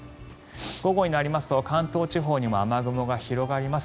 午後になりますと関東地方にも雨雲が広がります。